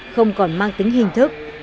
không còn mang tính hình thức